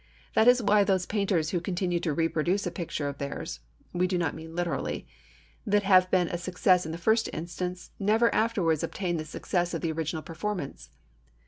That is why those painters who continue to reproduce a picture of theirs (we do not mean literally) that had been a success in the first instance, never afterwards obtain the success of the original performance.